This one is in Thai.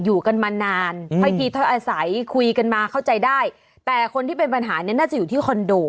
อยู่กันมานานถ้อยทีถ้อยอาศัยคุยกันมาเข้าใจได้แต่คนที่เป็นปัญหาเนี่ยน่าจะอยู่ที่คอนโด